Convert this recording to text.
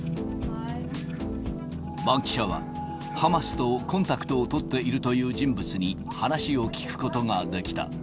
バンキシャは、ハマスとコンタクトを取っているという人物に、話を聞くことができた。